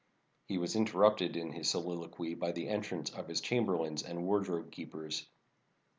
He was interrupted in his sohloquy by the entrance of his chamberlains and wardrobe keepers.